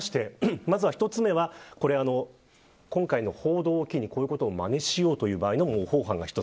まず１つ目は今回の報道を基にこういうことをまねしようという場合の模倣犯が１つ。